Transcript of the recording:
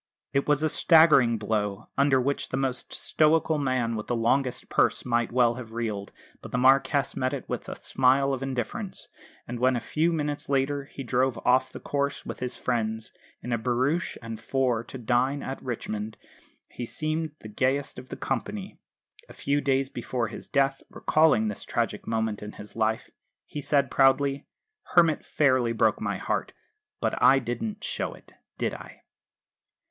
It was a staggering blow, under which the most stoical man with the longest purse might well have reeled; but the Marquess met it with a smile of indifference; and when, a few minutes later, he drove off the course, with his friends, in a barouche and four to dine at Richmond, he seemed the gayest of the company. A few days before his death, recalling this tragic moment in his life, he said proudly, "Hermit fairly broke my heart. But I didn't show it, did I?"